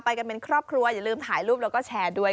กันเป็นครอบครัวอย่าลืมถ่ายรูปแล้วก็แชร์ด้วย